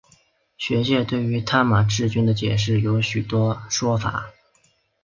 学界对于探马赤军的解释有许多说法。